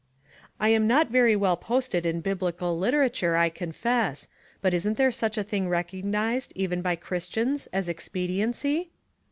"I am not very well posted in biblical literature, I confess, but isn't there such a thing recognized, even by Christians, as ex pediency?"